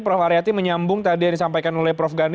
prof aryati menyambung tadi yang disampaikan oleh prof gani